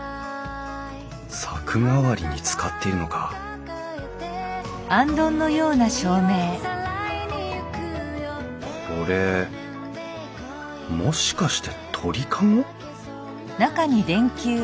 柵代わりに使っているのかこれもしかして鳥籠？